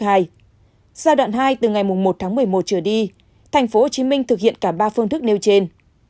giai đoạn hai từ ngày một tháng một mươi một trở đi tp hcm thực hiện cả ba phương thức nêu trên